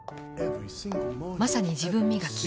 まさに自分磨き。